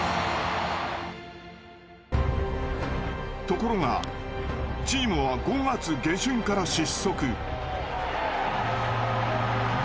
ところがチームは５月下旬から失速。